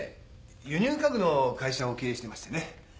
輸入家具の会社を経営してましてね。